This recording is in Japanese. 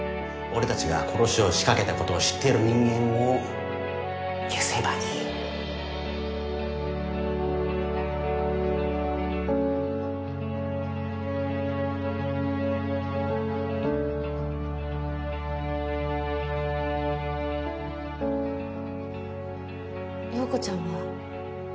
俺たちが殺しを仕掛けたことを知っている人間を消せばいい葉子ちゃんは？